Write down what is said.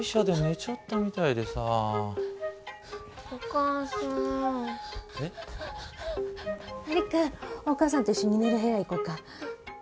璃久お母さんと一緒に寝る部屋行こうか。